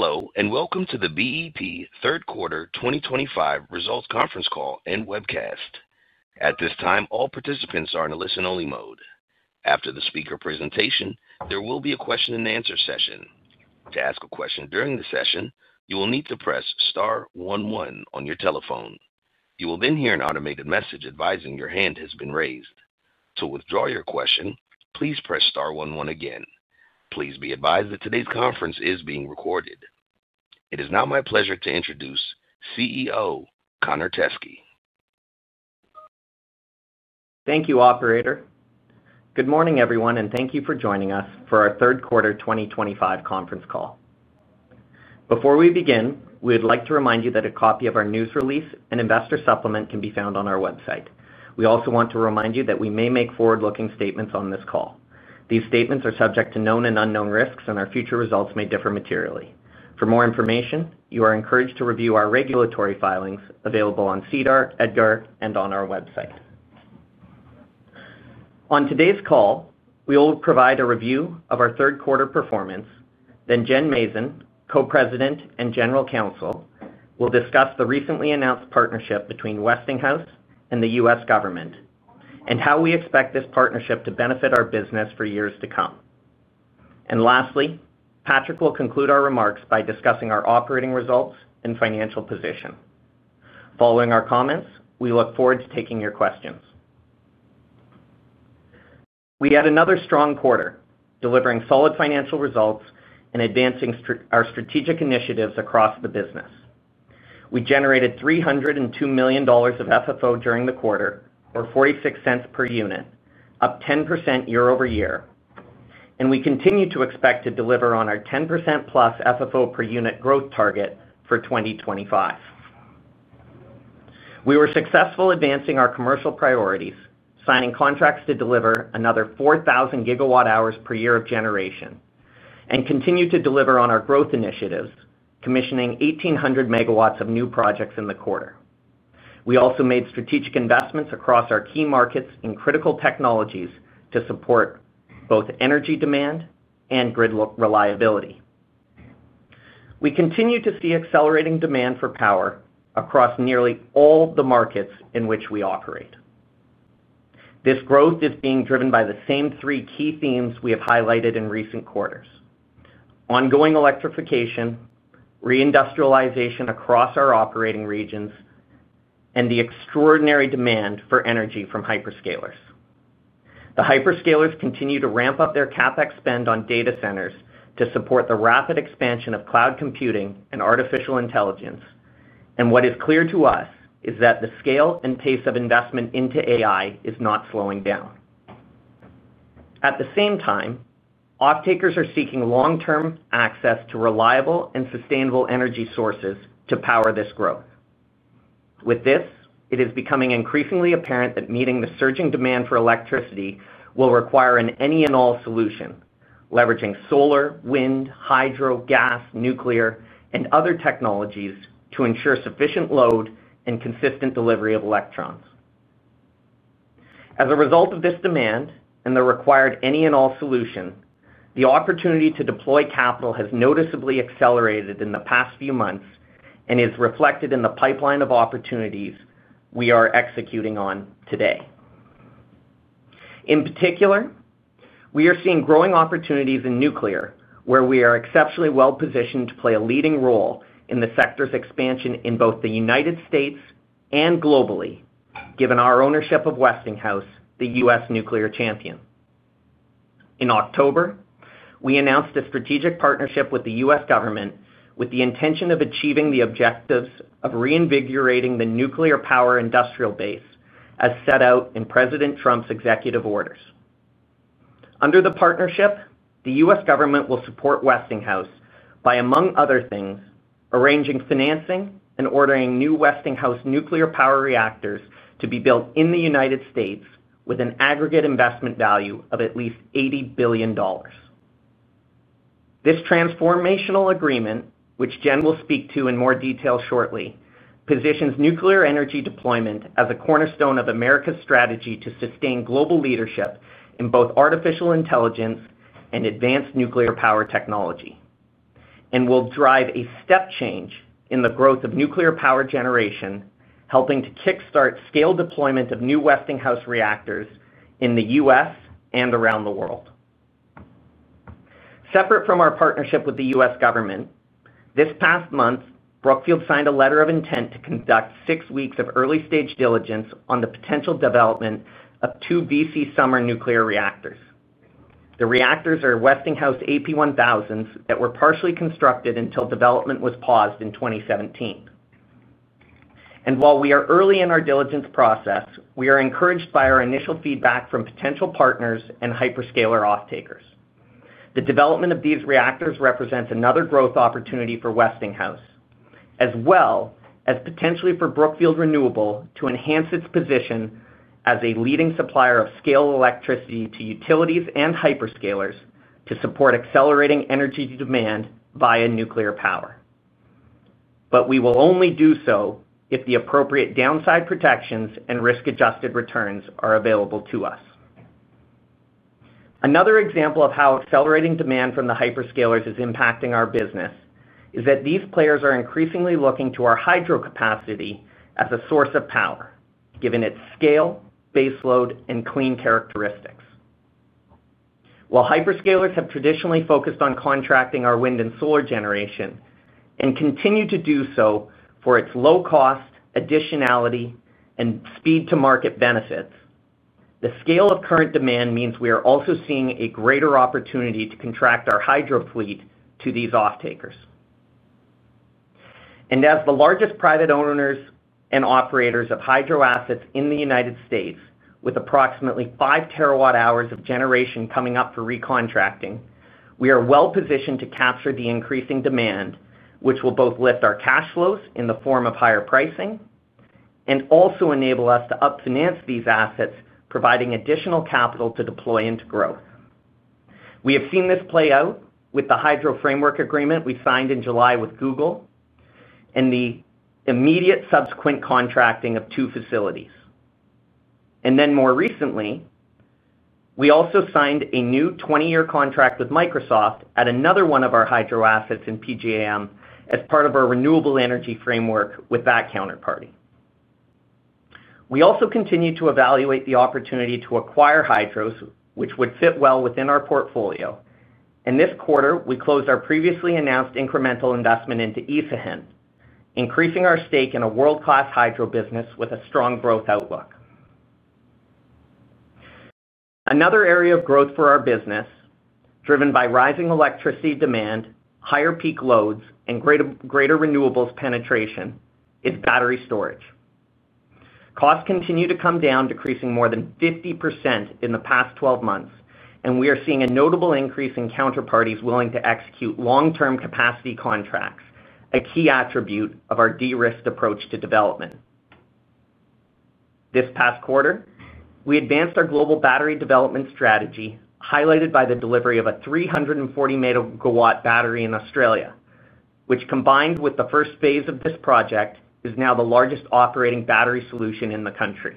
Hello, and welcome to the BEP third quarter 2025 results conference call and webcast. At this time, all participants are in a listen-only mode. After the speaker presentation, there will be a question-and-answer session. To ask a question during the session, you will need to press star one one on your telephone. You will then hear an automated message advising your hand has been raised. To withdraw your question, please press star one one again. Please be advised that today's conference is being recorded. It is now my pleasure to introduce CEO Connor Teskey. Thank you, Operator. Good morning, everyone, and thank you for joining us for our third quarter 2025 conference call. Before we begin, we would like to remind you that a copy of our news release and investor supplement can be found on our website. We also want to remind you that we may make forward-looking statements on this call. These statements are subject to known and unknown risks, and our future results may differ materially. For more information, you are encouraged to review our regulatory filings available on SEDAR, EDGAR, and on our website. On today's call, we will provide a review of our third-quarter performance, then Jen Mazin, Co-President and General Counsel, will discuss the recently announced partnership between Westinghouse and the U.S. government. We expect this partnership to benefit our business for years to come. Lastly, Patrick will conclude our remarks by discussing our operating results and financial position. Following our comments, we look forward to taking your questions. We had another strong quarter, delivering solid financial results and advancing our strategic initiatives across the business. We generated $302 million of FFO during the quarter, or $0.46 per unit, up 10% year-over-year, and we continue to expect to deliver on our 10%+ FFO per unit growth target for 2025. We were successful advancing our commercial priorities, signing contracts to deliver another 4,000 GWh per year of generation, and continue to deliver on our growth initiatives, commissioning 1,800 MW of new projects in the quarter. We also made strategic investments across our key markets in critical technologies to support both energy demand and grid reliability. We continue to see accelerating demand for power across nearly all the markets in which we operate. This growth is being driven by the same three key themes we have highlighted in recent quarters. Ongoing electrification, reindustrialization across our operating regions, and the extraordinary demand for energy from hyperscalers. The hyperscalers continue to ramp up their CapEx spend on data centers to support the rapid expansion of cloud computing and artificial intelligence, and what is clear to us is that the scale and pace of investment into AI is not slowing down. At the same time, off-takers are seeking long-term access to reliable and sustainable energy sources to power this growth. With this, it is becoming increasingly apparent that meeting the surging demand for electricity will require an any-and-all solution, leveraging solar, wind, hydro, gas, nuclear, and other technologies to ensure sufficient load and consistent delivery of electrons. As a result of this demand and the required any-and-all solution, the opportunity to deploy capital has noticeably accelerated in the past few months and is reflected in the pipeline of opportunities we are executing on today. In particular, we are seeing growing opportunities in nuclear, where we are exceptionally well-positioned to play a leading role in the sector's expansion in both the United States and globally, given our ownership of Westinghouse, the U.S. nuclear champion. In October, we announced a strategic partnership with the U.S. government with the intention of achieving the objectives of reinvigorating the nuclear power industrial base as set out in President Trump's executive orders. Under the partnership, the U.S. government will support Westinghouse by, among other things, arranging financing and ordering new Westinghouse nuclear power reactors to be built in the United States with an aggregate investment value of at least $80 billion. This transformational agreement, which Jen will speak to in more detail shortly, positions nuclear energy deployment as a cornerstone of America's strategy to sustain global leadership in both artificial intelligence and advanced nuclear power technology, and will drive a step change in the growth of nuclear power generation, helping to kick-start scale deployment of new Westinghouse reactors in the U.S. and around the world. Separate from our partnership with the U.S. government, this past month, Brookfield signed a letter of intent to conduct six weeks of early-stage diligence on the potential development of two VC Summer nuclear reactors. The reactors are Westinghouse AP1000s that were partially constructed until development was paused in 2017. While we are early in our diligence process, we are encouraged by our initial feedback from potential partners and hyperscaler off-takers. The development of these reactors represents another growth opportunity for Westinghouse, as well as potentially for Brookfield Renewable to enhance its position as a leading supplier of scale electricity to utilities and hyperscalers to support accelerating energy demand via nuclear power. We will only do so if the appropriate downside protections and risk-adjusted returns are available to us. Another example of how accelerating demand from the hyperscalers is impacting our business is that these players are increasingly looking to our hydro capacity as a source of power, given its scale, base load, and clean characteristics. While hyperscalers have traditionally focused on contracting our wind and solar generation and continue to do so for its low cost, additionality, and speed-to-market benefits, the scale of current demand means we are also seeing a greater opportunity to contract our hydro fleet to these off-takers. As the largest private owners and operators of hydro assets in the United States, with approximately 5 TWh of generation coming up for recontracting, we are well-positioned to capture the increasing demand, which will both lift our cash flows in the form of higher pricing and also enable us to up-finance these assets, providing additional capital to deploy into growth. We have seen this play out with the hydro framework agreement we signed in July with Google. The immediate subsequent contracting of two facilities followed. More recently, we also signed a new 20-year contract with Microsoft at another one of our hydro assets in PJM as part of our renewable energy framework with that counterparty. We also continue to evaluate the opportunity to acquire hydros, which would fit well within our portfolio. This quarter, we closed our previously announced incremental investment into Isagen, increasing our stake in a world-class hydro business with a strong growth outlook. Another area of growth for our business, driven by rising electricity demand, higher peak loads, and greater renewables penetration, is battery storage. Costs continue to come down, decreasing more than 50% in the past 12 months, and we are seeing a notable increase in counterparties willing to execute long-term capacity contracts, a key attribute of our de-risked approach to development. This past quarter, we advanced our global battery development strategy, highlighted by the delivery of a 340-MW battery in Australia, which, combined with the first phase of this project, is now the largest operating battery solution in the country.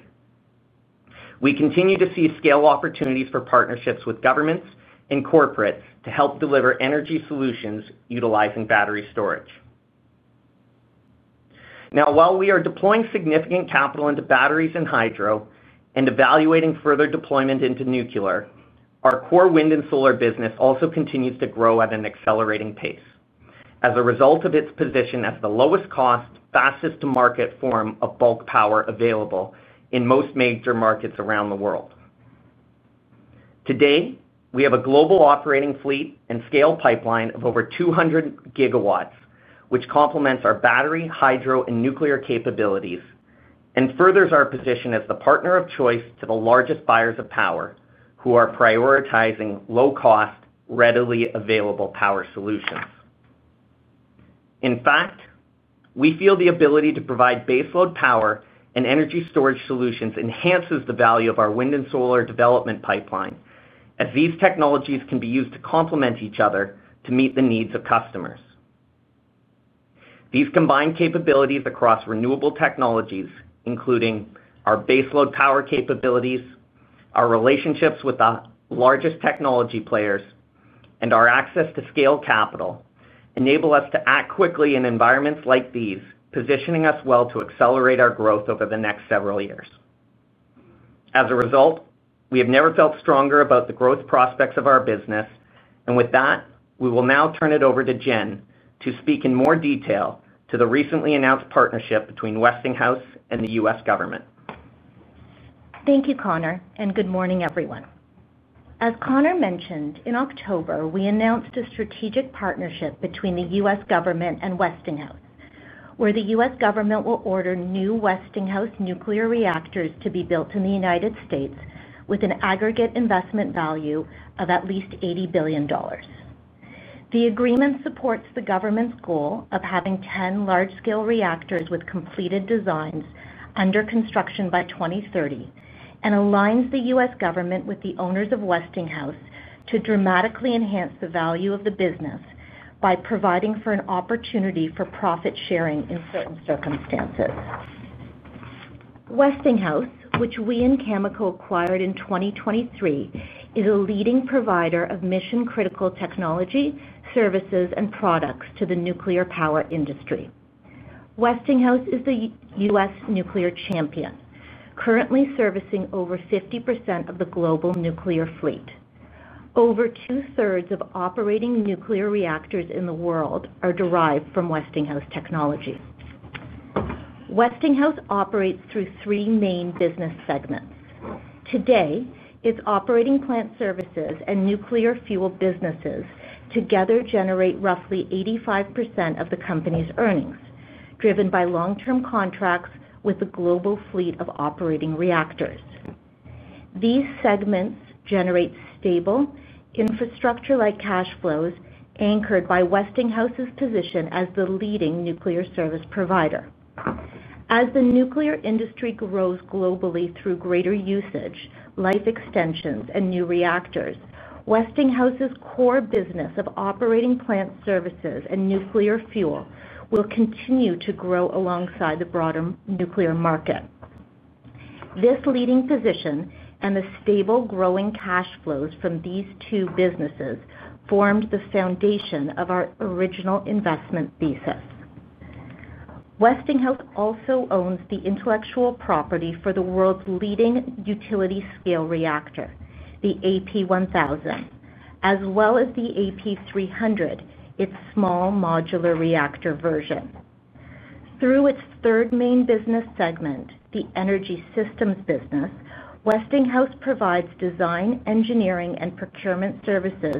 We continue to see scale opportunities for partnerships with governments and corporates to help deliver energy solutions utilizing battery storage. Now, while we are deploying significant capital into batteries and hydro and evaluating further deployment into nuclear, our core wind and solar business also continues to grow at an accelerating pace as a result of its position as the lowest cost, fastest-to-market form of bulk power available in most major markets around the world. Today, we have a global operating fleet and scale pipeline of over 200 GW, which complements our battery, hydro, and nuclear capabilities and furthers our position as the partner of choice to the largest buyers of power who are prioritizing low-cost, readily available power solutions. In fact, we feel the ability to provide base load power and energy storage solutions enhances the value of our wind and solar development pipeline, as these technologies can be used to complement each other to meet the needs of customers. These combined capabilities across renewable technologies, including our base load power capabilities, our relationships with the largest technology players, and our access to scale capital, enable us to act quickly in environments like these, positioning us well to accelerate our growth over the next several years. As a result, we have never felt stronger about the growth prospects of our business. With that, we will now turn it over to Jen to speak in more detail to the recently announced partnership between Westinghouse and the U.S. government. Thank you, Connor, and good morning, everyone. As Connor mentioned, in October, we announced a strategic partnership between the U.S. government and Westinghouse, where the U.S. government will order new Westinghouse nuclear reactors to be built in the United States with an aggregate investment value of at least $80 billion. The agreement supports the government's goal of having 10 large-scale reactors with completed designs under construction by 2030 and aligns the U.S. government with the owners of Westinghouse to dramatically enhance the value of the business by providing for an opportunity for profit sharing in certain circumstances. Westinghouse, which we and Cameco acquired in 2023, is a leading provider of mission-critical technology, services, and products to the nuclear power industry. Westinghouse is the U.S. nuclear champion, currently servicing over 50% of the global nuclear fleet. Over 2/3 of operating nuclear reactors in the world are derived from Westinghouse technology. Westinghouse operates through three main business segments. Today, its operating plant services and nuclear fuel businesses together generate roughly 85% of the company's earnings, driven by long-term contracts with the global fleet of operating reactors. These segments generate stable infrastructure-like cash flows anchored by Westinghouse's position as the leading nuclear service provider. As the nuclear industry grows globally through greater usage, life extensions, and new reactors, Westinghouse's core business of operating plant services and nuclear fuel will continue to grow alongside the broader nuclear market. This leading position and the stable growing cash flows from these two businesses formed the foundation of our original investment thesis. Westinghouse also owns the intellectual property for the world's leading utility-scale reactor, the AP1000, as well as the AP300, its small modular reactor version. Through its third main business segment, the energy systems business. Westinghouse provides design, engineering, and procurement services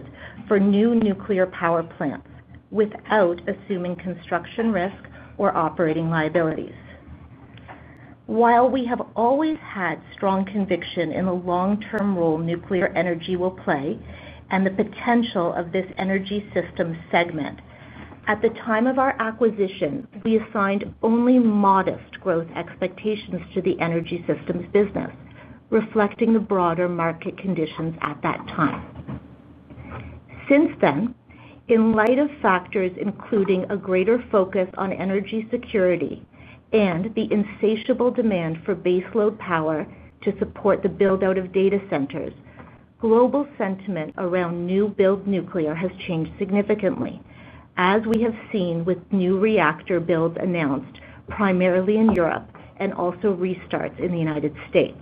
for new nuclear power plants without assuming construction risk or operating liabilities. While we have always had strong conviction in the long-term role nuclear energy will play and the potential of this energy system segment, at the time of our acquisition, we assigned only modest growth expectations to the energy systems business, reflecting the broader market conditions at that time. Since then, in light of factors including a greater focus on energy security and the insatiable demand for base load power to support the build-out of data centers, global sentiment around new-build nuclear has changed significantly, as we have seen with new reactor builds announced primarily in Europe and also restarts in the United States.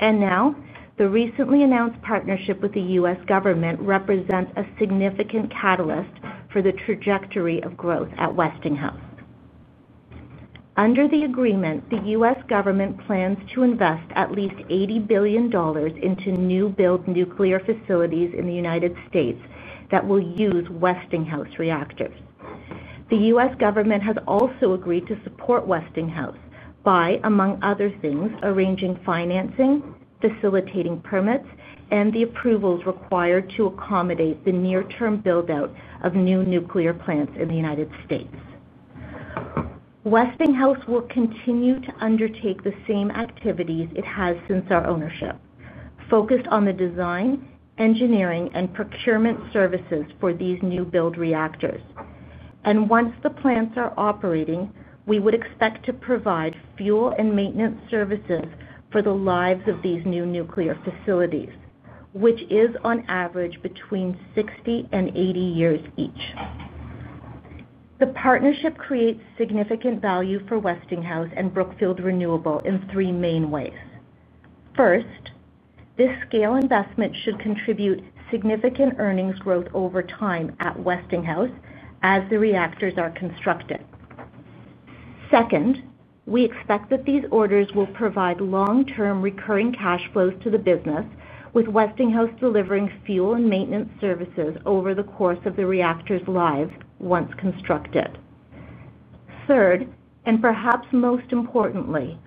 Now, the recently announced partnership with the U.S. government represents a significant catalyst for the trajectory of growth at Westinghouse. Under the agreement, the U.S. government plans to invest at least $80 billion into new-build nuclear facilities in the United States that will use Westinghouse reactors. The U.S. government has also agreed to support Westinghouse by, among other things, arranging financing, facilitating permits, and the approvals required to accommodate the near-term build-out of new nuclear plants in the United States. Westinghouse will continue to undertake the same activities it has since our ownership, focused on the design, engineering, and procurement services for these new-build reactors. Once the plants are operating, we would expect to provide fuel and maintenance services for the lives of these new nuclear facilities, which is on average between 60 years and 80 years each. The partnership creates significant value for Westinghouse and Brookfield Renewable in three main ways. First. This scale investment should contribute significant earnings growth over time at Westinghouse as the reactors are constructed. Second, we expect that these orders will provide long-term recurring cash flows to the business, with Westinghouse delivering fuel and maintenance services over the course of the reactor's lives once constructed. Third, and perhaps most importantly,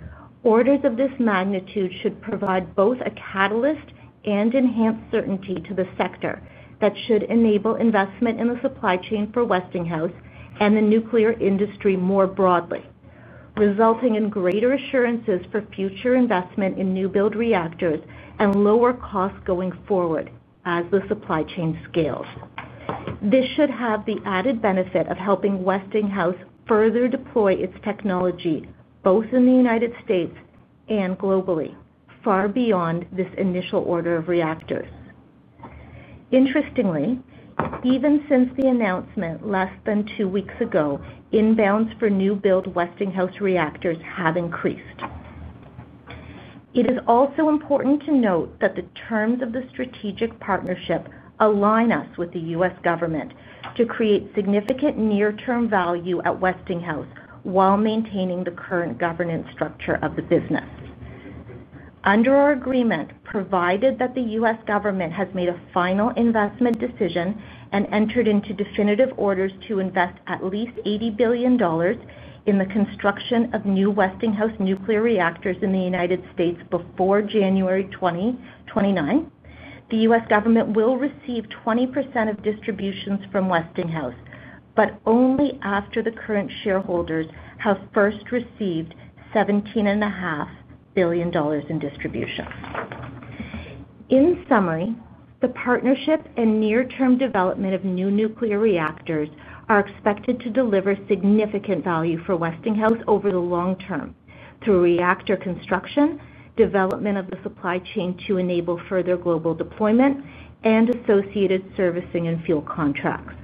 orders of this magnitude should provide both a catalyst and enhance certainty to the sector that should enable investment in the supply chain for Westinghouse and the nuclear industry more broadly, resulting in greater assurances for future investment in new-build reactors and lower costs going forward as the supply chain scales. This should have the added benefit of helping Westinghouse further deploy its technology both in the United States and globally, far beyond this initial order of reactors. Interestingly, even since the announcement less than two weeks ago, inbounds for new-build Westinghouse reactors have increased. It is also important to note that the terms of the strategic partnership align us with the U.S. government to create significant near-term value at Westinghouse while maintaining the current governance structure of the business. Under our agreement, provided that the U.S. government has made a final investment decision and entered into definitive orders to invest at least $80 billion in the construction of new Westinghouse nuclear reactors in the United States before January 2029, the U.S. government will receive 20% of distributions from Westinghouse, but only after the current shareholders have first received $17.5 billion in distribution. In summary, the partnership and near-term development of new nuclear reactors are expected to deliver significant value for Westinghouse over the long term through reactor construction, development of the supply chain to enable further global deployment, and associated servicing and fuel contracts.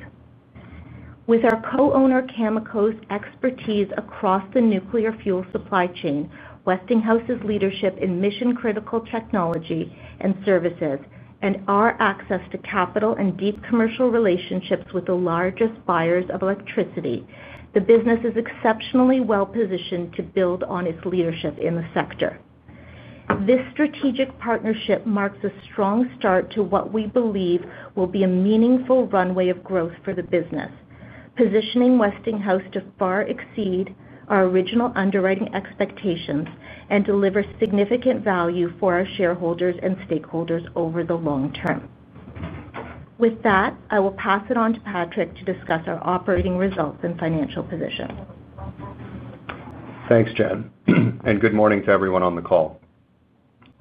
With our co-owner Cameco's expertise across the nuclear fuel supply chain, Westinghouse's leadership in mission-critical technology and services, and our access to capital and deep commercial relationships with the largest buyers of electricity, the business is exceptionally well-positioned to build on its leadership in the sector. This strategic partnership marks a strong start to what we believe will be a meaningful runway of growth for the business, positioning Westinghouse to far exceed our original underwriting expectations and deliver significant value for our shareholders and stakeholders over the long term. With that, I will pass it on to Patrick to discuss our operating results and financial position. Thanks, Jen. Good morning to everyone on the call.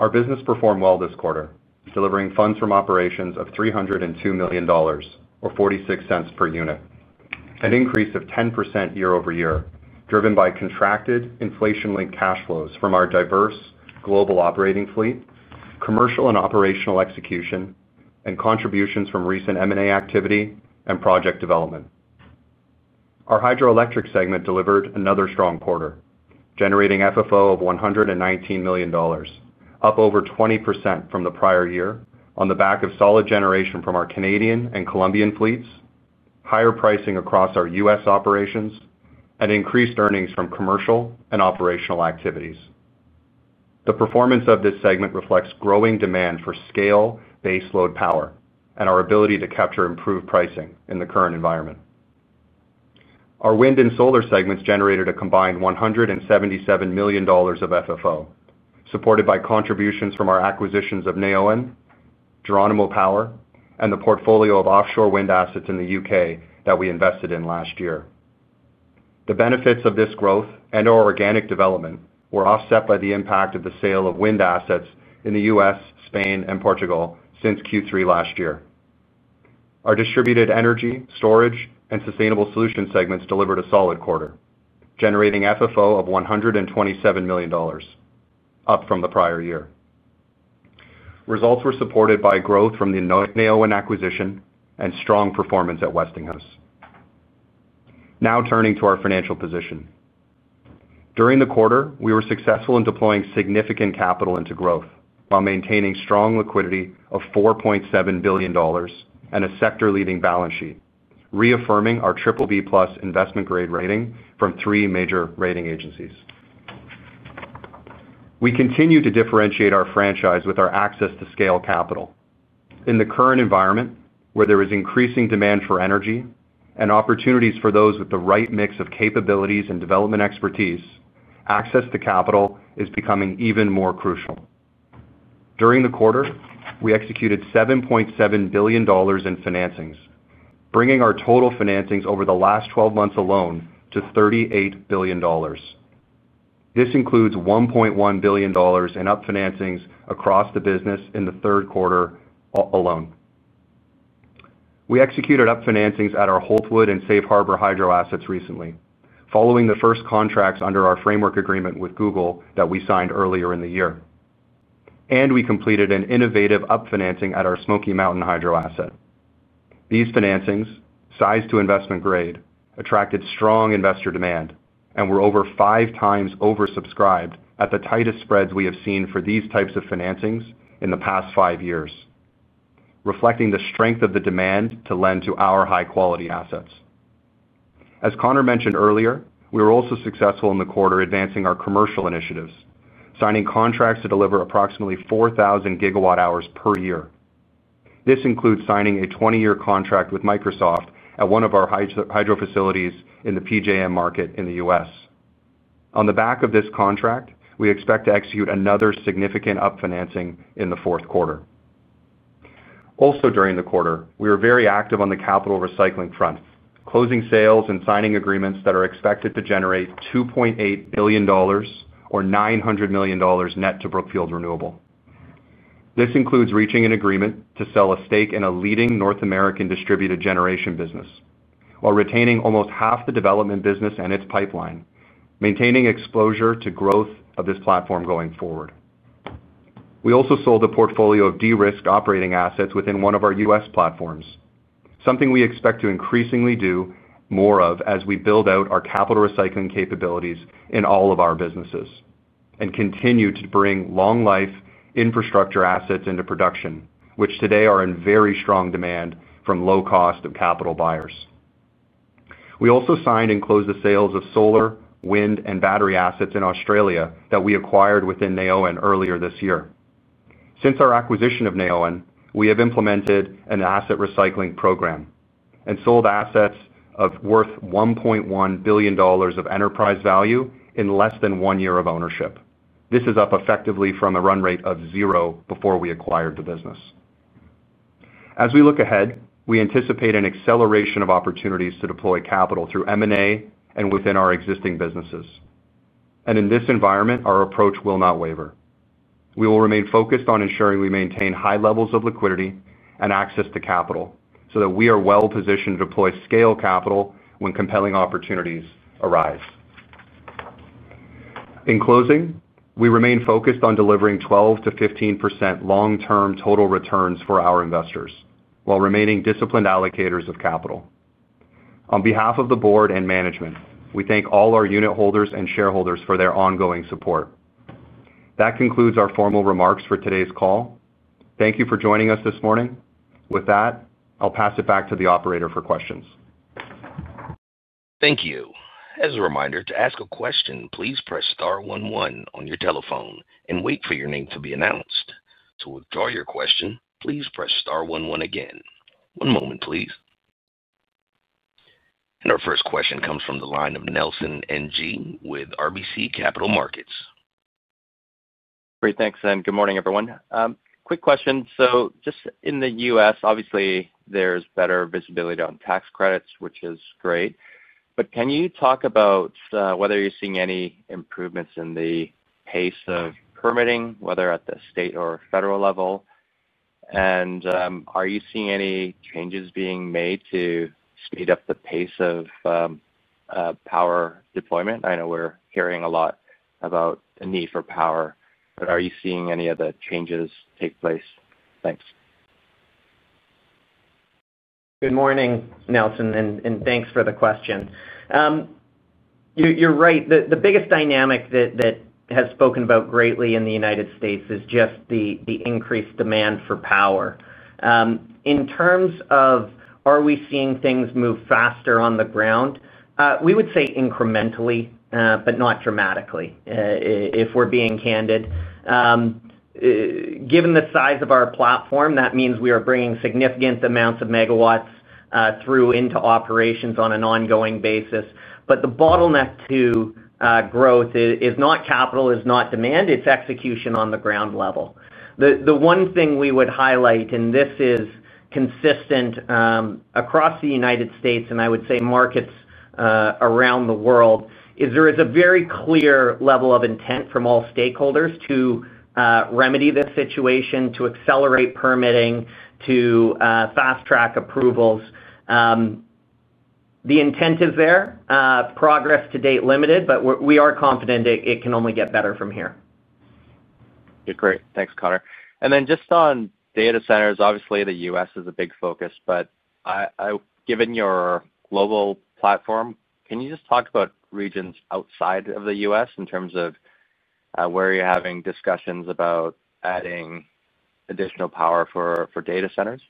Our business performed well this quarter, delivering funds from operations of $302 million, or $0.46 per unit, an increase of 10% year-over-year, driven by contracted, inflation-linked cash flows from our diverse global operating fleet, commercial and operational execution, and contributions from recent M&A activity and project development. Our hydroelectric segment delivered another strong quarter, generating FFO of $119 million, up over 20% from the prior year on the back of solid generation from our Canadian and Colombian fleets, higher pricing across our U.S. operations, and increased earnings from commercial and operational activities. The performance of this segment reflects growing demand for scale base load power and our ability to capture improved pricing in the current environment. Our wind and solar segments generated a combined $177 million of FFO, supported by contributions from our acquisitions of Neoen, Geronimo Power, and the portfolio of offshore wind assets in the U.K. that we invested in last year. The benefits of this growth and our organic development were offset by the impact of the sale of wind assets in the U.S., Spain, and Portugal since Q3 last year. Our distributed energy, storage, and sustainable solution segments delivered a solid quarter, generating FFO of $127 million, up from the prior year. Results were supported by growth from the Neoen acquisition and strong performance at Westinghouse. Now turning to our financial position. During the quarter, we were successful in deploying significant capital into growth while maintaining strong liquidity of $4.7 billion and a sector-leading balance sheet, reaffirming our BBB+ investment-grade rating from three major rating agencies. We continue to differentiate our franchise with our access to scale capital. In the current environment, where there is increasing demand for energy and opportunities for those with the right mix of capabilities and development expertise, access to capital is becoming even more crucial. During the quarter, we executed $7.7 billion in financings, bringing our total financings over the last 12 months alone to $38 billion. This includes $1.1 billion in up-financings across the business in the third quarter alone. We executed up-financings at our Holtwood and Safe Harbor hydro assets recently, following the first contracts under our framework agreement with Google that we signed earlier in the year. We completed an innovative up-financing at our Smoky Mountain hydro asset. These financings, sized to investment grade, attracted strong investor demand and were over 5x oversubscribed at the tightest spreads we have seen for these types of financings in the past five years, reflecting the strength of the demand to lend to our high-quality assets. As Connor mentioned earlier, we were also successful in the quarter advancing our commercial initiatives, signing contracts to deliver approximately 4,000 GWh per year. This includes signing a 20-year contract with Microsoft at one of our hydro facilities in the PJM market in the U.S. On the back of this contract, we expect to execute another significant up-financing in the fourth quarter. Also, during the quarter, we were very active on the capital recycling front, closing sales and signing agreements that are expected to generate $2.8 billion, or $900 million net to Brookfield Renewable. This includes reaching an agreement to sell a stake in a leading North American distributed generation business while retaining almost half the development business and its pipeline, maintaining exposure to growth of this platform going forward. We also sold a portfolio of de-risked operating assets within one of our U.S. platforms, something we expect to increasingly do more of as we build out our capital recycling capabilities in all of our businesses and continue to bring long-life infrastructure assets into production, which today are in very strong demand from low-cost capital buyers. We also signed and closed the sales of solar, wind, and battery assets in Australia that we acquired within Neoen earlier this year. Since our acquisition of Neoen, we have implemented an asset recycling program and sold assets worth $1.1 billion of enterprise value in less than one year of ownership. This is up effectively from a run rate of zero before we acquired the business. As we look ahead, we anticipate an acceleration of opportunities to deploy capital through M&A and within our existing businesses. In this environment, our approach will not waver. We will remain focused on ensuring we maintain high levels of liquidity and access to capital so that we are well-positioned to deploy scale capital when compelling opportunities arise. In closing, we remain focused on delivering 12%-15% long-term total returns for our investors while remaining disciplined allocators of capital. On behalf of the board and management, we thank all our unit holders and shareholders for their ongoing support. That concludes our formal remarks for today's call. Thank you for joining us this morning. With that, I'll pass it back to the operator for questions. Thank you. As a reminder, to ask a question, please press star one one on your telephone and wait for your name to be announced. To withdraw your question, please press star one one again. One moment, please. Our first question comes from the line of Nelson Ng with RBC Capital Markets. Great. Thanks, and good morning, everyone. Quick question. Just in the U.S., obviously, there's better visibility on tax credits, which is great. Can you talk about whether you're seeing any improvements in the pace of permitting, whether at the state or federal level? Are you seeing any changes being made to speed up the pace of power deployment? I know we're hearing a lot about the need for power, but are you seeing any of the changes take place? Thanks. Good morning, Nelson, and thanks for the question. You're right. The biggest dynamic that has spoken about greatly in the United States is just the increased demand for power. In terms of are we seeing things move faster on the ground, we would say incrementally, but not dramatically, if we're being candid. Given the size of our platform, that means we are bringing significant amounts of megawatt through into operations on an ongoing basis. The bottleneck to growth is not capital, is not demand. It's execution on the ground level. The one thing we would highlight, and this is consistent across the United States, and I would say markets around the world, is there is a very clear level of intent from all stakeholders to remedy this situation, to accelerate permitting, to fast-track approvals. The intent is there. Progress to date limited, but we are confident it can only get better from here. Okay. Great. Thanks, Connor. Then just on data centers, obviously, the U.S. is a big focus, but given your global platform, can you just talk about regions outside of the U.S. in terms of where you're having discussions about adding additional power for data centers?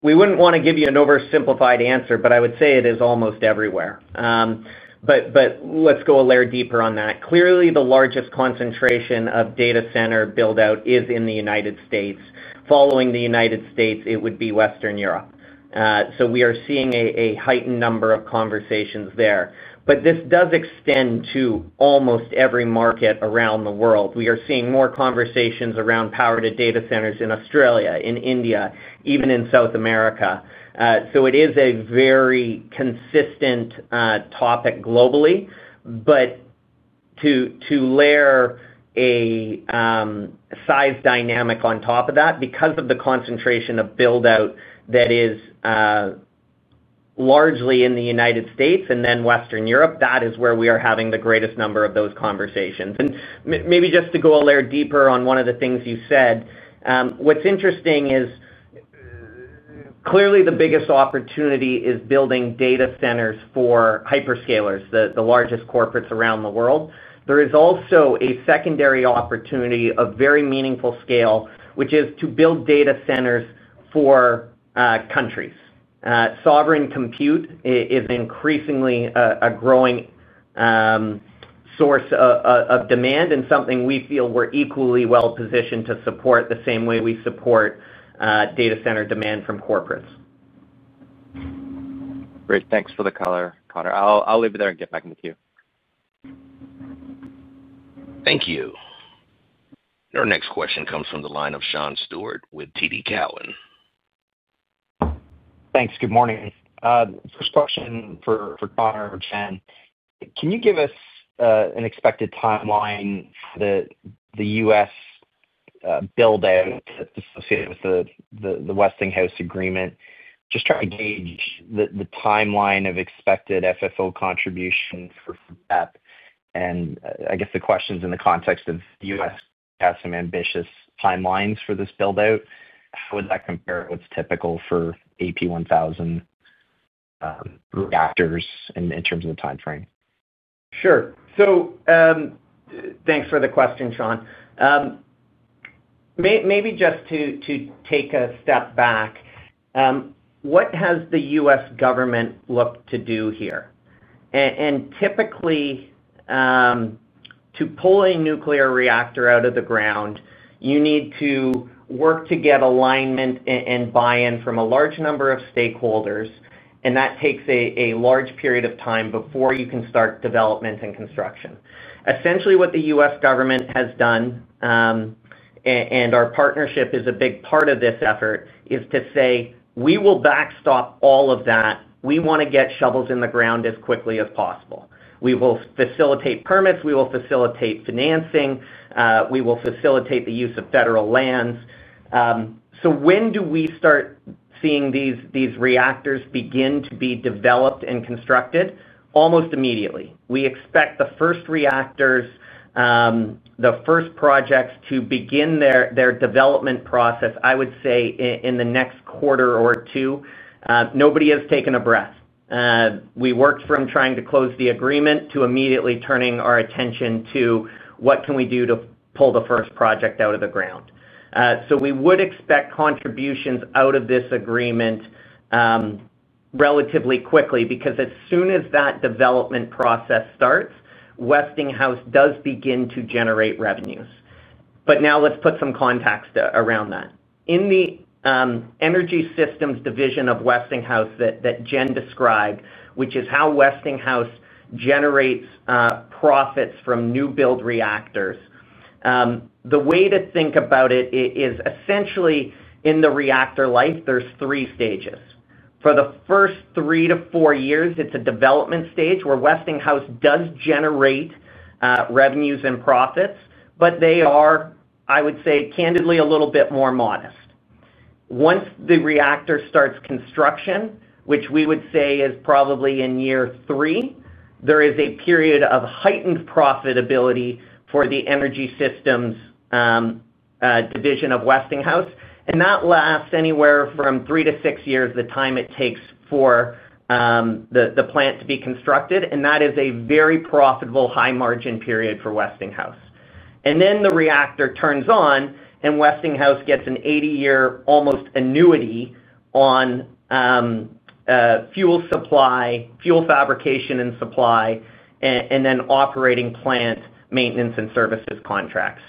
We wouldn't want to give you an oversimplified answer, but I would say it is almost everywhere. Let's go a layer deeper on that. Clearly, the largest concentration of data center buildout is in the United States. Following the United States, it would be Western Europe. We are seeing a heightened number of conversations there. This does extend to almost every market around the world. We are seeing more conversations around power to data centers in Australia, in India, even in South America. It is a very consistent topic globally. To layer a size dynamic on top of that, because of the concentration of buildout that is largely in the United States and then Western Europe, that is where we are having the greatest number of those conversations. Maybe just to go a layer deeper on one of the things you said, what's interesting is. Clearly the biggest opportunity is building data centers for hyperscalers, the largest corporates around the world. There is also a secondary opportunity of very meaningful scale, which is to build data centers for countries. Sovereign compute is increasingly a growing source of demand and something we feel we're equally well-positioned to support the same way we support data center demand from corporates. Great. Thanks for the color, Connor. I'll leave it there and get back into queue. Thank you. Our next question comes from the line of Sean Steuart with TD Cowen. Thanks. Good morning. First question for Connor or Jen. Can you give us an expected timeline for the U.S. buildout associated with the Westinghouse agreement? Just trying to gauge the timeline of expected FFO contribution for that. I guess the question's in the context of U.S. has some ambitious timelines for this buildout. How would that compare to what's typical for AP1000 reactors in terms of the timeframe? Sure. Thanks for the question, Sean. Maybe just to take a step back. What has the U.S. government looked to do here? Typically, to pull a nuclear reactor out of the ground, you need to work to get alignment and buy-in from a large number of stakeholders, and that takes a large period of time before you can start development and construction. Essentially, what the U.S. government has done, and our partnership is a big part of this effort, is to say, "We will backstop all of that. We want to get shovels in the ground as quickly as possible. We will facilitate permits. We will facilitate financing. We will facilitate the use of federal lands." When do we start seeing these reactors begin to be developed and constructed? Almost immediately. We expect the first reactors, the first projects to begin their development process, I would say, in the next quarter or two. Nobody has taken a breath. We worked from trying to close the agreement to immediately turning our attention to what can we do to pull the first project out of the ground. We would expect contributions out of this agreement relatively quickly because as soon as that development process starts, Westinghouse does begin to generate revenues. Now let's put some context around that. In the energy systems division of Westinghouse that Jen described, which is how Westinghouse generates profits from new-build reactors, the way to think about it is essentially in the reactor life, there's three stages. For the first three to four years, it's a development stage where Westinghouse does generate revenues and profits, but they are, I would say, candidly, a little bit more modest. Once the reactor starts construction, which we would say is probably in year three, there is a period of heightened profitability for the energy systems division of Westinghouse. That lasts anywhere from three to six years, the time it takes for the plant to be constructed. That is a very profitable, high-margin period for Westinghouse. Then the reactor turns on, and Westinghouse gets an 80-year almost annuity on fuel fabrication and supply, and then operating plant maintenance and services contracts.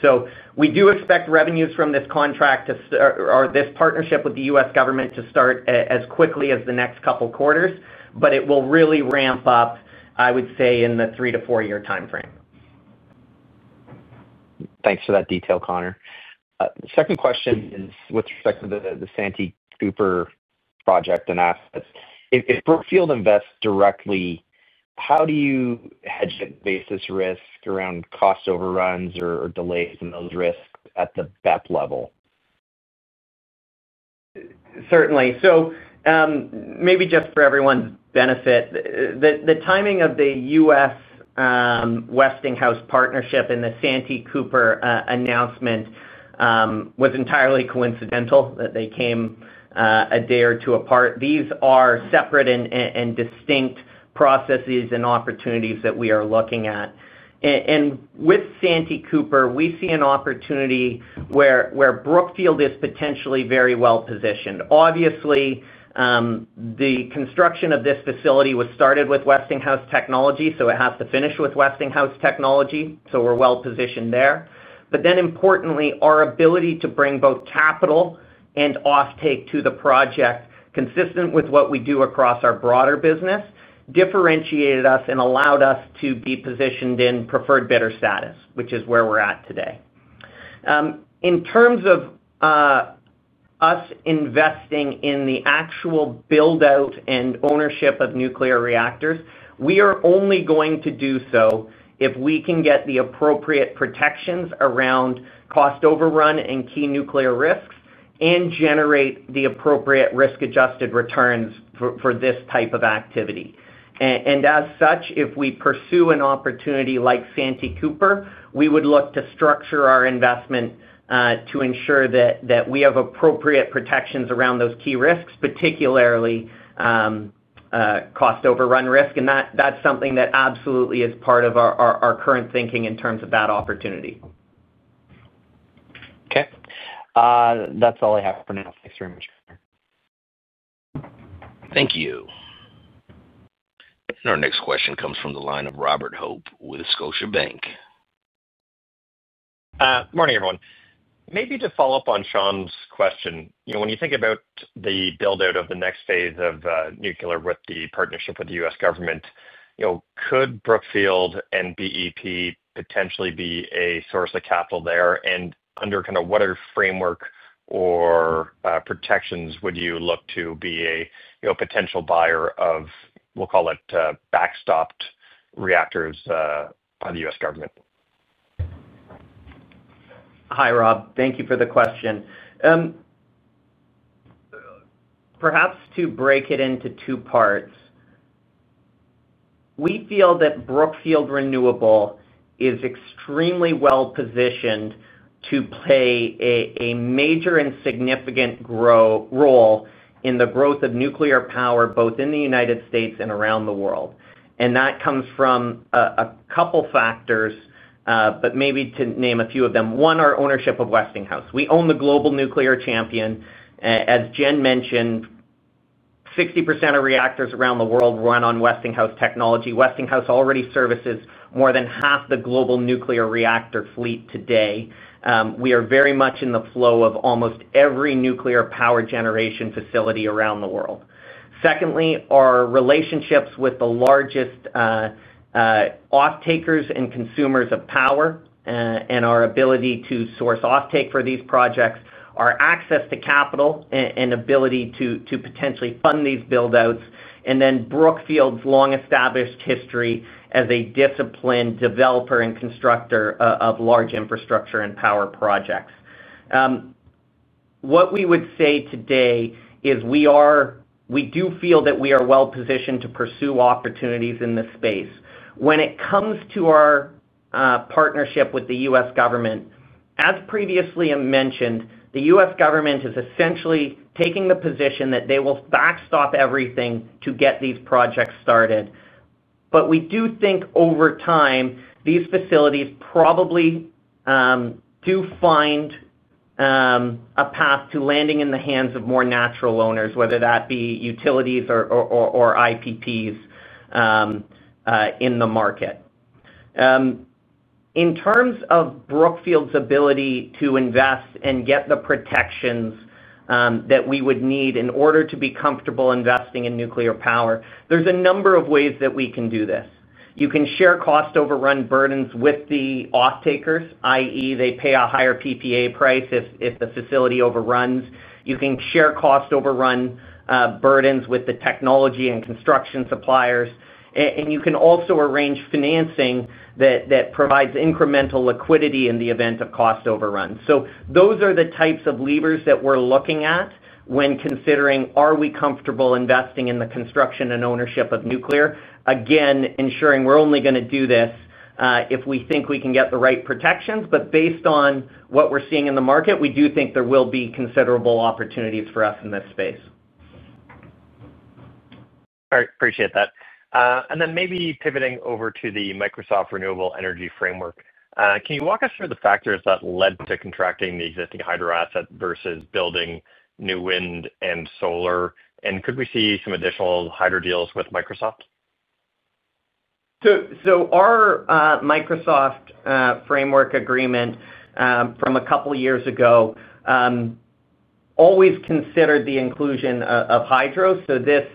We do expect revenues from this contract or this partnership with the U.S. government to start as quickly as the next couple of quarters, but it will really ramp up, I would say, in the three to four-year timeframe. Thanks for that detail, Connor. Second question is with respect to the Santee Cooper project and assets. If Brookfield invests directly, how do you hedge the basis risk around cost overruns or delays in those risks at the BEP level? Certainly. Maybe just for everyone's benefit, the timing of the U.S. Westinghouse partnership and the Santee Cooper announcement was entirely coincidental that they came a day or two apart. These are separate and distinct processes and opportunities that we are looking at. With Santee Cooper, we see an opportunity where Brookfield is potentially very well-positioned. Obviously, the construction of this facility was started with Westinghouse technology, so it has to finish with Westinghouse technology. We are well-positioned there. Importantly, our ability to bring both capital and offtake to the project, consistent with what we do across our broader business, differentiated us and allowed us to be positioned in preferred bidder status, which is where we are at today. In terms of. Us investing in the actual buildout and ownership of nuclear reactors, we are only going to do so if we can get the appropriate protections around cost overrun and key nuclear risks and generate the appropriate risk-adjusted returns for this type of activity. As such, if we pursue an opportunity like Santee Cooper, we would look to structure our investment to ensure that we have appropriate protections around those key risks, particularly cost overrun risk. That is something that absolutely is part of our current thinking in terms of that opportunity. Okay. That's all I have for now. Thanks very much, Connor. Thank you. Our next question comes from the line of Robert Hope with Scotiabank. Morning, everyone. Maybe to follow up on Sean's question, when you think about the buildout of the next phase of nuclear with the partnership with the U.S. government. Could Brookfield and BEP potentially be a source of capital there? Under kind of what framework or protections would you look to be a potential buyer of, we'll call it, backstopped reactors by the U.S. government? Hi, Rob. Thank you for the question. Perhaps to break it into two parts. We feel that Brookfield Renewable is extremely well-positioned to play a major and significant role in the growth of nuclear power, both in the United States and around the world. That comes from a couple of factors, but maybe to name a few of them. One, our ownership of Westinghouse. We own the global nuclear champion. As Jen mentioned, 60% of reactors around the world run on Westinghouse technology. Westinghouse already services more than half the global nuclear reactor fleet today. We are very much in the flow of almost every nuclear power generation facility around the world. Secondly, our relationships with the largest. Offtakers and consumers of power and our ability to source offtake for these projects, our access to capital, and ability to potentially fund these buildouts, and then Brookfield's long-established history as a disciplined developer and constructor of large infrastructure and power projects. What we would say today is we do feel that we are well-positioned to pursue opportunities in this space. When it comes to our partnership with the U.S. government, as previously mentioned, the U.S. government is essentially taking the position that they will backstop everything to get these projects started. We do think over time, these facilities probably do find a path to landing in the hands of more natural owners, whether that be utilities or IPPs in the market. In terms of Brookfield's ability to invest and get the protections that we would need in order to be comfortable investing in nuclear power, there's a number of ways that we can do this. You can share cost overrun burdens with the offtakers, i.e., they pay a higher PPA price if the facility overruns. You can share cost overrun burdens with the technology and construction suppliers. You can also arrange financing that provides incremental liquidity in the event of cost overrun. Those are the types of levers that we're looking at when considering, are we comfortable investing in the construction and ownership of nuclear? Again, ensuring we're only going to do this if we think we can get the right protections. Based on what we're seeing in the market, we do think there will be considerable opportunities for us in this space. All right. Appreciate that. Maybe pivoting over to the Microsoft Renewable Energy Framework, can you walk us through the factors that led to contracting the existing hydro asset versus building new wind and solar? Could we see some additional hydro deals with Microsoft? Our Microsoft Framework Agreement from a couple of years ago always considered the inclusion of hydro. This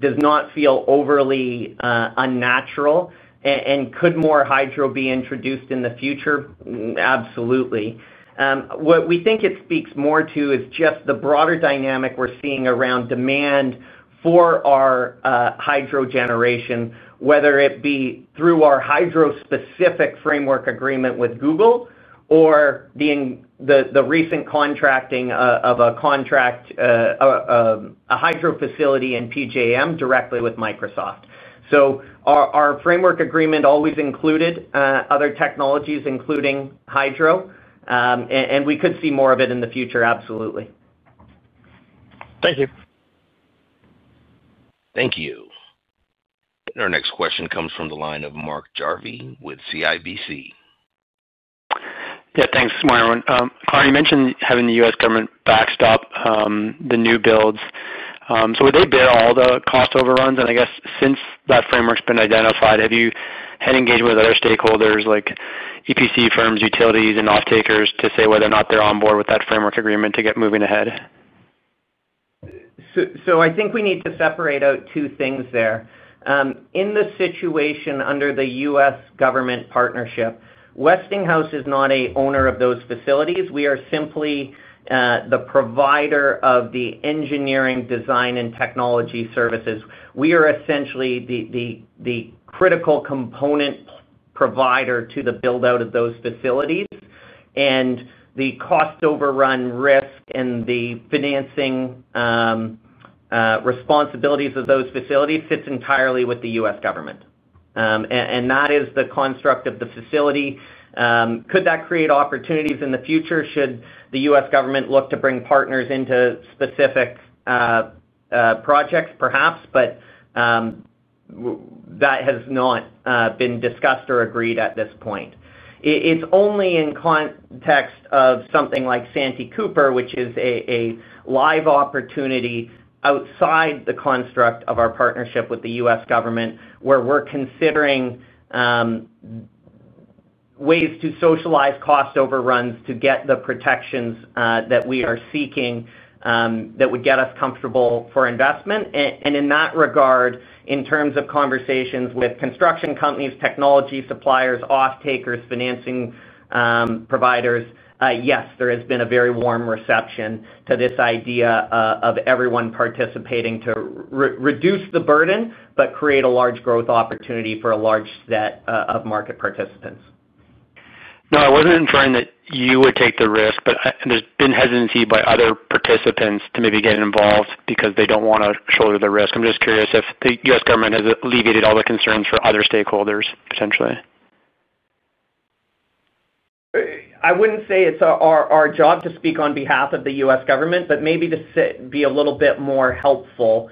does not feel overly unnatural. Could more hydro be introduced in the future? Absolutely. What we think it speaks more to is just the broader dynamic we're seeing around demand for our hydro generation, whether it be through our hydro-specific framework agreement with Google or the recent contracting of a hydro facility in PJM directly with Microsoft. Our framework agreement always included other technologies, including hydro, and we could see more of it in the future, absolutely. Thank you. Thank you. Our next question comes from the line of Mark Jarvi with CIBC. Yeah. Thanks, Myron. Connor, you mentioned having the U.S. government backstop the new builds. Would they bid all the cost overruns? I guess since that framework's been identified, have you had engagement with other stakeholders like EPC firms, utilities, and offtakers to say whether or not they're on board with that framework agreement to get moving ahead? I think we need to separate out two things there. In the situation under the U.S. government partnership, Westinghouse is not an owner of those facilities. We are simply the provider of the engineering, design, and technology services. We are essentially the critical component provider to the buildout of those facilities. The cost overrun risk and the financing responsibilities of those facilities fit entirely with the U.S. government. That is the construct of the facility. Could that create opportunities in the future? Should the U.S. government look to bring partners into specific projects? Perhaps. That has not been discussed or agreed at this point. It is only in context of something like Santee Cooper, which is a live opportunity outside the construct of our partnership with the U.S. government, where we are considering. Ways to socialize cost overruns to get the protections that we are seeking that would get us comfortable for investment. In that regard, in terms of conversations with construction companies, technology suppliers, offtakers, financing providers, yes, there has been a very warm reception to this idea of everyone participating to reduce the burden but create a large growth opportunity for a large set of market participants. Now, I wasn't inferring that you would take the risk, but there's been hesitancy by other participants to maybe get involved because they don't want to shoulder the risk. I'm just curious if the U.S. government has alleviated all the concerns for other stakeholders, potentially. I wouldn't say it's our job to speak on behalf of the U.S. government, but maybe to be a little bit more helpful.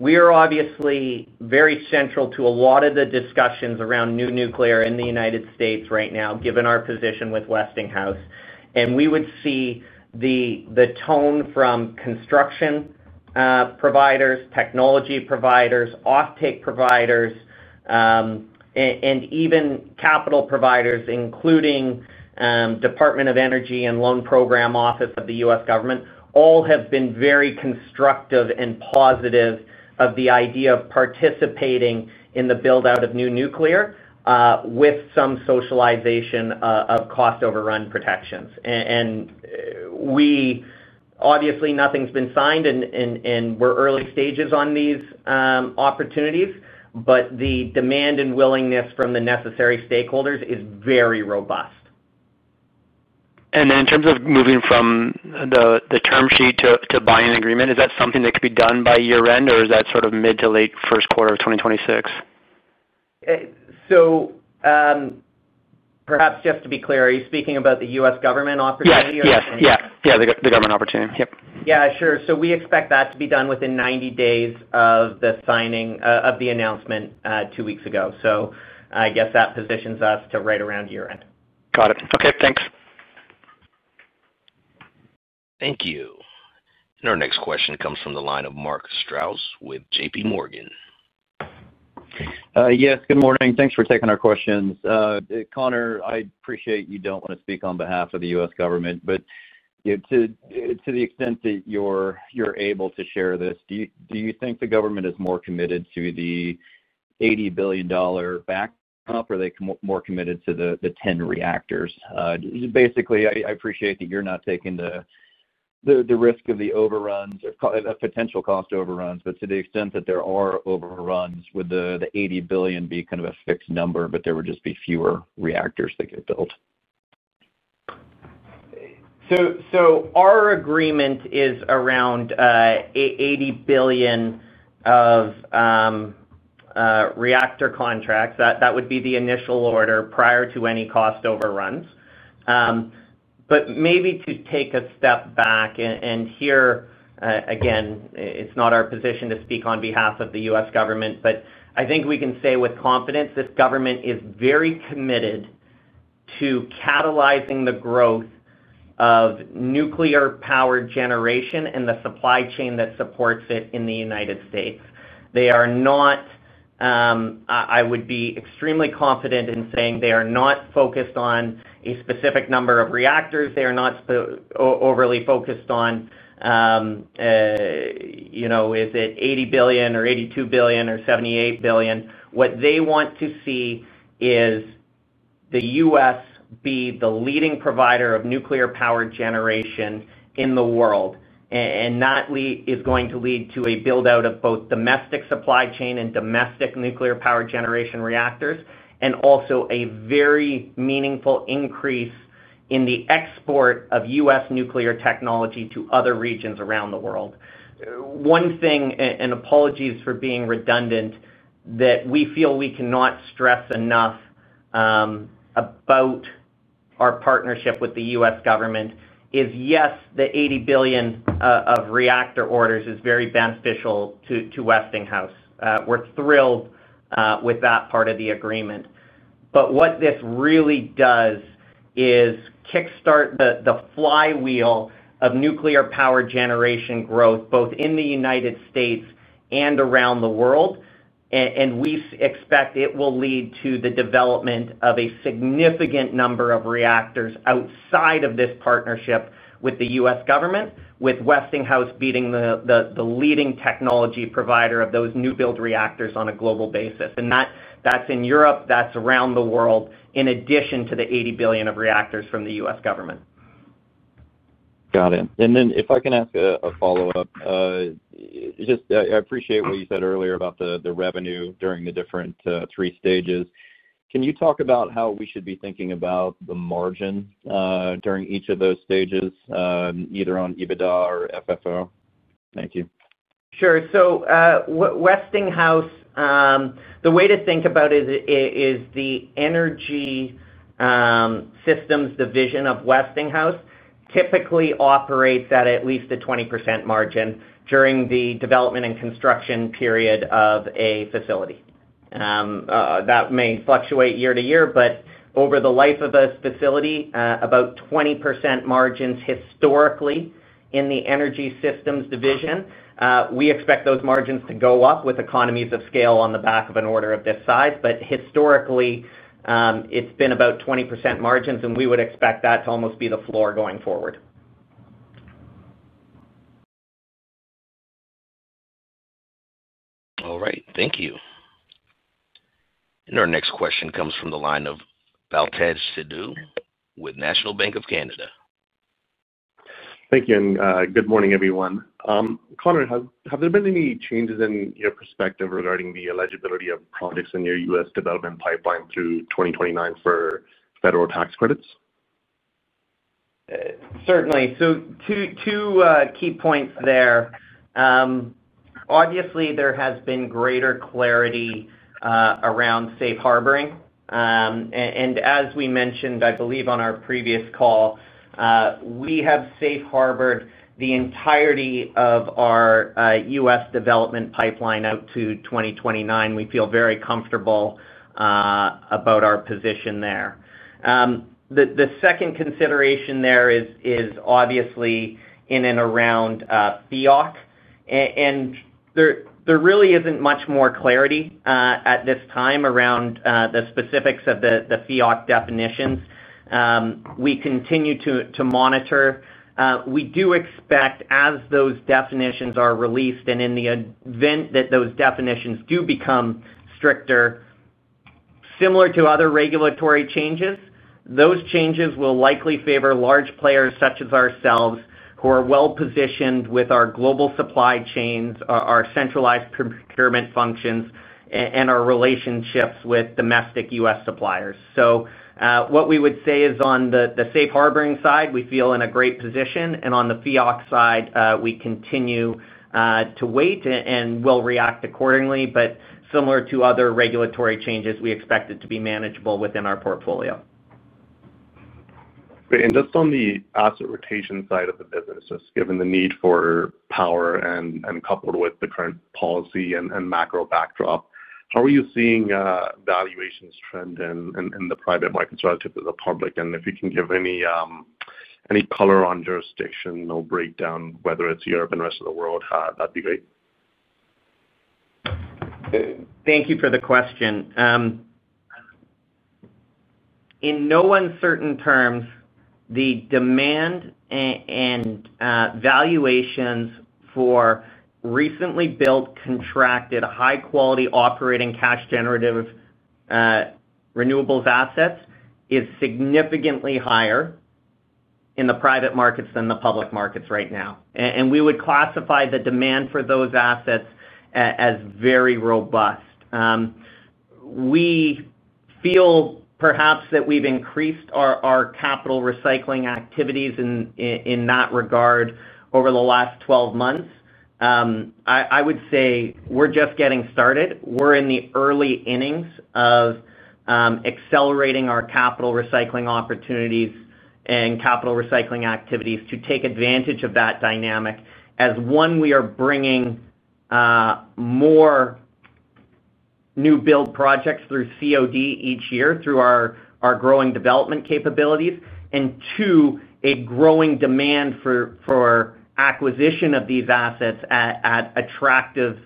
We are obviously very central to a lot of the discussions around new nuclear in the United States right now, given our position with Westinghouse. We would see the tone from construction providers, technology providers, offtake providers, and even capital providers, including Department of Energy and Loan Program Office of the U.S. government, all have been very constructive and positive of the idea of participating in the buildout of new nuclear with some socialization of cost overrun protections. Obviously, nothing's been signed, and we're early stages on these opportunities, but the demand and willingness from the necessary stakeholders is very robust. In terms of moving from the term sheet to buying an agreement, is that something that could be done by year-end, or is that sort of mid to late first quarter of 2026? Perhaps just to be clear, are you speaking about the U.S. government opportunity or the? Yes. Yeah. The government opportunity. Yep. Yeah. Sure. So we expect that to be done within 90 days of the signing of the announcement two weeks ago. I guess that positions us to right around year-end. Got it. Okay. Thanks. Thank you. Our next question comes from the line of Mark Strouse with JPMorgan. Yes. Good morning. Thanks for taking our questions. Connor, I appreciate you do not want to speak on behalf of the U.S. government, but to the extent that you are able to share this, do you think the government is more committed to the $80 billion backstop, or are they more committed to the 10 reactors? Basically, I appreciate that you are not taking the risk of the overruns or potential cost overruns, but to the extent that there are overruns, would the $80 billion be kind of a fixed number, but there would just be fewer reactors that get built? Our agreement is around $80 billion of reactor contracts. That would be the initial order prior to any cost overruns. Maybe to take a step back, and here again, it's not our position to speak on behalf of the U.S. government, but I think we can say with confidence this government is very committed to catalyzing the growth of nuclear power generation and the supply chain that supports it in the United States. I would be extremely confident in saying they are not focused on a specific number of reactors. They are not overly focused on is it $80 billion or $82 billion or $78 billion. What they want to see is the U.S. be the leading provider of nuclear power generation in the world. That is going to lead to a buildout of both domestic supply chain and domestic nuclear power generation reactors, and also a very meaningful increase in the export of U.S. nuclear technology to other regions around the world. One thing, and apologies for being redundant, that we feel we cannot stress enough about our partnership with the U.S. government is, yes, the $80 billion of reactor orders is very beneficial to Westinghouse. We're thrilled with that part of the agreement. What this really does is kickstart the flywheel of nuclear power generation growth, both in the United States and around the world. We expect it will lead to the development of a significant number of reactors outside of this partnership with the U.S. government, with Westinghouse being the leading technology provider of those new-build reactors on a global basis. That is in Europe. That's around the world, in addition to the $80 billion of reactors from the U.S. government. Got it. If I can ask a follow-up, I appreciate what you said earlier about the revenue during the different three stages. Can you talk about how we should be thinking about the margin during each of those stages, either on EBITDA or FFO? Thank you. Sure. Westinghouse, the way to think about it is the Energy Systems Division of Westinghouse typically operates at at least a 20% margin during the development and construction period of a facility. That may fluctuate year to year, but over the life of a facility, about 20% margins historically in the energy systems division. We expect those margins to go up with economies of scale on the back of an order of this size. Historically, it's been about 20% margins, and we would expect that to almost be the floor going forward. All right. Thank you. Our next question comes from the line of Baltej Sidhu with National Bank of Canada. Thank you. Good morning, everyone. Connor, have there been any changes in your perspective regarding the eligibility of projects in your U.S. development pipeline through 2029 for federal tax credits? Certainly. Two key points there. Obviously, there has been greater clarity around safe harboring. As we mentioned, I believe on our previous call, we have safe-harbored the entirety of our U.S. development pipeline out to 2029. We feel very comfortable about our position there. The second consideration there is obviously in and around FEOC. There really isn't much more clarity at this time around the specifics of the FEOC definitions. We continue to monitor. We do expect, as those definitions are released and in the event that those definitions do become stricter, similar to other regulatory changes, those changes will likely favor large players such as ourselves who are well-positioned with our global supply chains, our centralized procurement functions, and our relationships with domestic U.S. suppliers. What we would say is, on the safe-harboring side, we feel in a great position. On the FEOC side, we continue to wait and will react accordingly. Similar to other regulatory changes, we expect it to be manageable within our portfolio. Great. Just on the asset rotation side of the business, just given the need for power and coupled with the current policy and macro backdrop, how are you seeing valuations trend in the private markets relative to the public? If you can give any color on jurisdictional breakdown, whether it is Europe and the rest of the world, that would be great. Thank you for the question. In no uncertain terms, the demand and valuations for recently built contracted high-quality operating cash-generative renewables assets is significantly higher in the private markets than the public markets right now. We would classify the demand for those assets as very robust. We feel perhaps that we've increased our capital recycling activities in that regard over the last 12 months. I would say we're just getting started. We're in the early innings of accelerating our capital recycling opportunities and capital recycling activities to take advantage of that dynamic. As one, we are bringing more new-build projects through COD each year through our growing development capabilities. And two, a growing demand for acquisition of these assets at attractive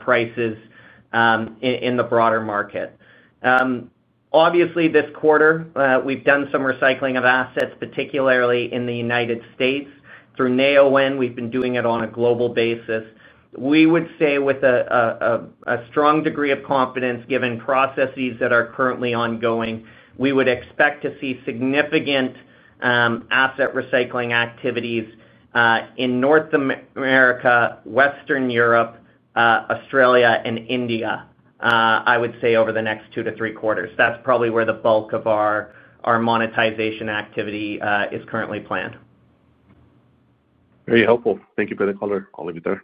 prices in the broader market. Obviously, this quarter, we've done some recycling of assets, particularly in the United States through Neoen. We've been doing it on a global basis. We would say with a strong degree of confidence, given processes that are currently ongoing, we would expect to see significant asset recycling activities in North America, Western Europe, Australia, and India, I would say, over the next two to three quarters. That's probably where the bulk of our monetization activity is currently planned. Very helpful. Thank you for the color, Oliver.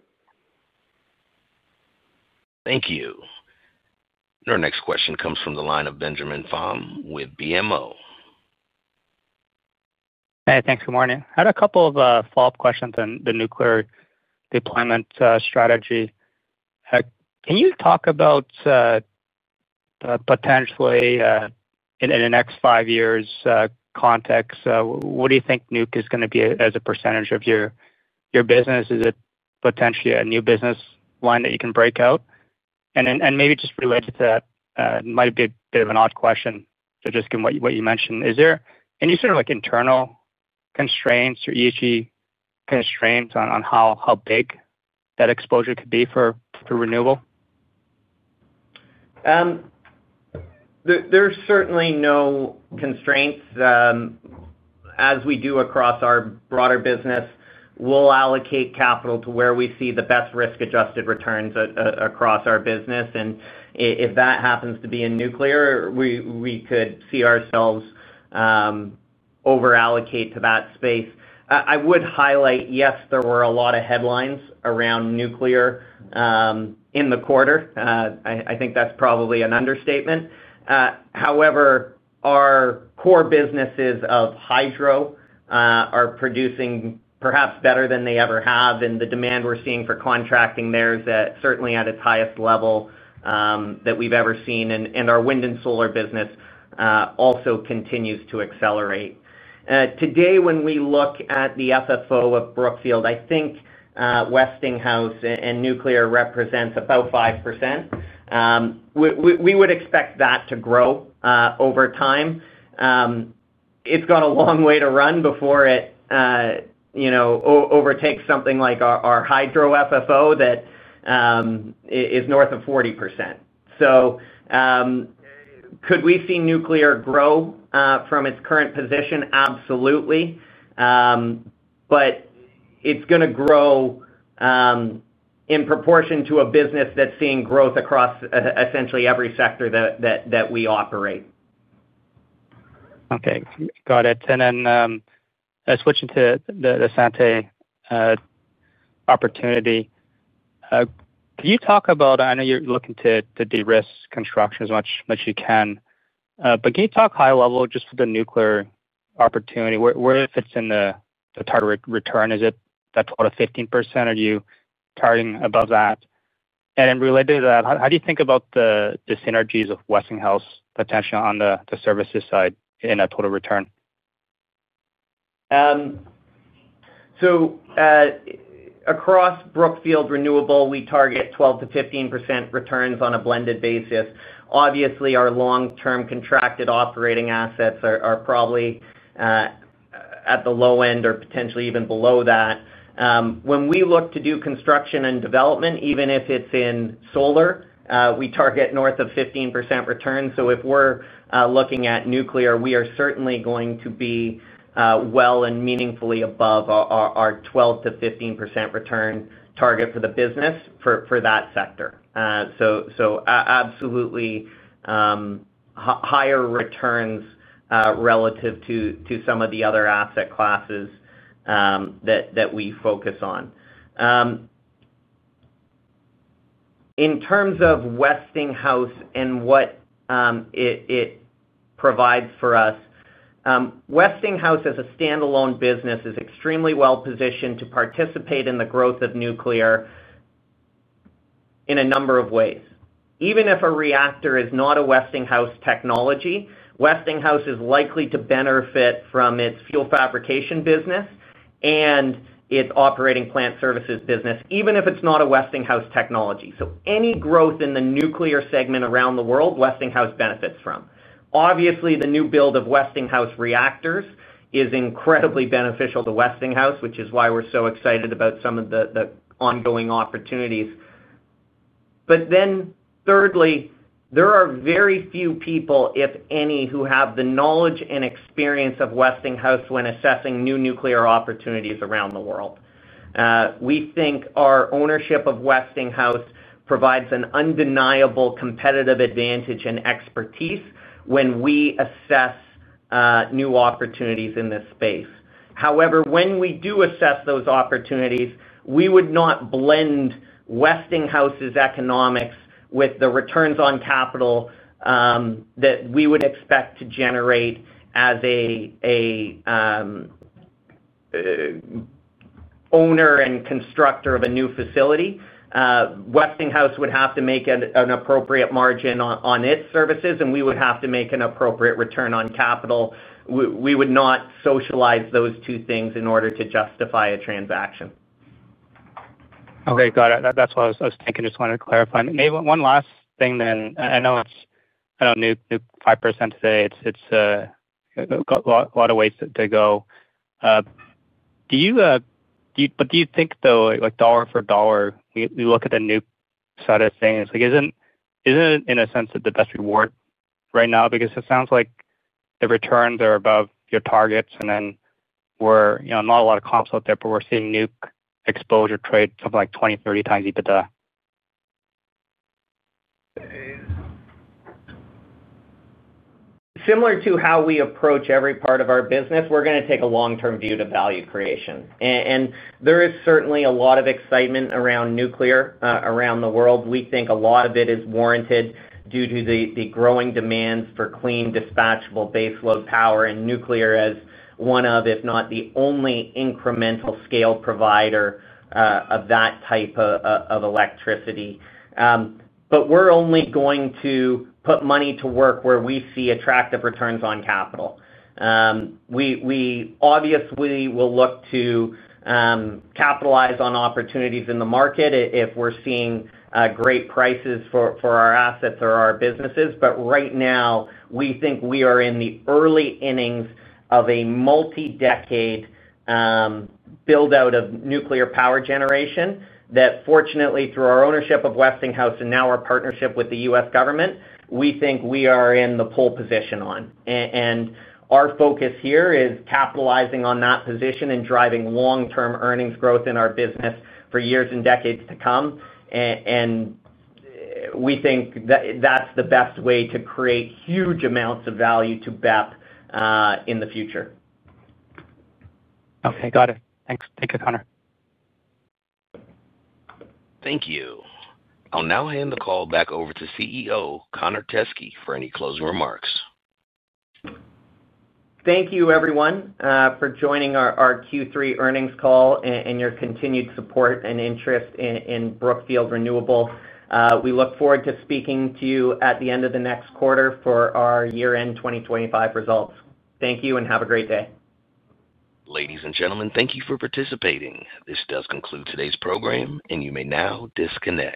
Thank you. Our next question comes from the line of Benjamin Pham with BMO. Hey, thanks. Good morning. I had a couple of follow-up questions. The nuclear deployment strategy, can you talk about potentially in the next five years' context? What do you think nuc is going to be as a percentage of your business? Is it potentially a new business line that you can break out? Maybe just related to that, it might be a bit of an odd question, but just given what you mentioned, is there any sort of internal constraints or ESG constraints on how big that exposure could be for renewable? There is certainly no constraints. As we do across our broader business, we will allocate capital to where we see the best risk-adjusted returns across our business. If that happens to be in nuclear, we could see ourselves over-allocate to that space. I would highlight, yes, there were a lot of headlines around nuclear in the quarter. I think that is probably an understatement. However, our core businesses of hydro are producing perhaps better than they ever have, and the demand we are seeing for contracting there is certainly at its highest level that we have ever seen. Our wind and solar business also continues to accelerate. Today, when we look at the FFO of Brookfield, I think Westinghouse and nuclear represents about 5%. We would expect that to grow over time. It has got a long way to run before it overtakes something like our hydro FFO that is north of 40%. Could we see nuclear grow from its current position? Absolutely. It is going to grow in proportion to a business that's seeing growth across essentially every sector that we operate. Okay. Got it. Switching to the Santee opportunity. Can you talk about, I know you're looking to de-risk construction as much as you can, but can you talk high-level just for the nuclear opportunity? Where it fits in the target return? Is it that 12%-15%? Are you targeting above that? And related to that, how do you think about the synergies of Westinghouse potentially on the services side in that total return? Across Brookfield Renewable, we target 12%-15% returns on a blended basis. Obviously, our long-term contracted operating assets are probably at the low end or potentially even below that. When we look to do construction and development, even if it is in solar, we target north of 15% return. If we are looking at nuclear, we are certainly going to be well and meaningfully above our 12%-15% return target for the business for that sector. Absolutely higher returns relative to some of the other asset classes that we focus on. In terms of Westinghouse and what it provides for us, Westinghouse, as a standalone business, is extremely well-positioned to participate in the growth of nuclear in a number of ways. Even if a reactor is not a Westinghouse technology, Westinghouse is likely to benefit from its fuel fabrication business. Its operating plant services business, even if it is not a Westinghouse technology. Any growth in the nuclear segment around the world, Westinghouse benefits from. Obviously, the new build of Westinghouse reactors is incredibly beneficial to Westinghouse, which is why we are so excited about some of the ongoing opportunities. Thirdly, there are very few people, if any, who have the knowledge and experience of Westinghouse when assessing new nuclear opportunities around the world. We think our ownership of Westinghouse provides an undeniable competitive advantage and expertise when we assess new opportunities in this space. However, when we do assess those opportunities, we would not blend Westinghouse's economics with the returns on capital that we would expect to generate as an owner and constructor of a new facility. Westinghouse would have to make an appropriate margin on its services, and we would have to make an appropriate return on capital. We would not socialize those two things in order to justify a transaction. Okay. Got it. That's what I was thinking. Just wanted to clarify. Maybe one last thing then. I know it's 5% today. It's got a lot of ways to go. Do you think, though, dollar for dollar, we look at the nuc side of things, isn't it in a sense the best reward right now? Because it sounds like the returns are above your targets. There are not a lot of comps out there, but we're seeing nuc exposure trade something like 20x-30x EBITDA. Similar to how we approach every part of our business, we're going to take a long-term view to value creation. There is certainly a lot of excitement around nuclear around the world. We think a lot of it is warranted due to the growing demand for clean dispatchable baseload power and nuclear as one of, if not the only, incremental scale provider of that type of electricity. We're only going to put money to work where we see attractive returns on capital. We obviously will look to capitalize on opportunities in the market if we're seeing great prices for our assets or our businesses. Right now, we think we are in the early innings of a multi-decade build-out of nuclear power generation that, fortunately, through our ownership of Westinghouse and now our partnership with the U.S. government, we think we are in the pole position on. Our focus here is capitalizing on that position and driving long-term earnings growth in our business for years and decades to come. We think that's the best way to create huge amounts of value to BEP in the future. Okay. Got it. Thanks. Thank you, Connor. Thank you. I'll now hand the call back over to CEO Connor Teskey for any closing remarks. Thank you, everyone, for joining our Q3 earnings call and your continued support and interest in Brookfield Renewable. We look forward to speaking to you at the end of the next quarter for our year-end 2025 results. Thank you and have a great day. Ladies and gentlemen, thank you for participating. This does conclude today's program, and you may now disconnect.